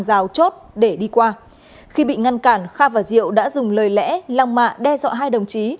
rào chốt để đi qua khi bị ngăn cản kha và diệu đã dùng lời lẽ lăng mạ đe dọa hai đồng chí